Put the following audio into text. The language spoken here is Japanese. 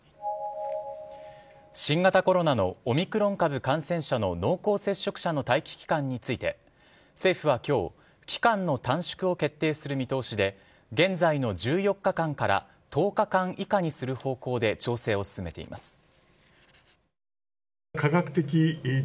新型コロナのオミクロン株感染者の濃厚接触者の待機期間について政府は今日期間の短縮を決定する見通しで現在の１４日間から１０日間以下にする方向で調整を進めています。